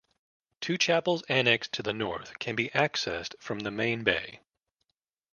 Two chapels annexed to the north can be accessed from the main bay.